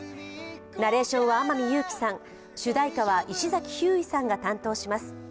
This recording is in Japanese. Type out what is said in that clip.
ナレーションは天海祐希さん、主題歌は石崎ひゅーいさんが担当します。